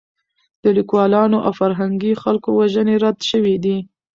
د لیکوالانو او فرهنګي خلکو وژنې رد شوې دي.